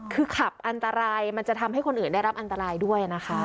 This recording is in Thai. คือขับอันตรายมันจะทำให้คนอื่นได้รับอันตรายด้วยนะคะ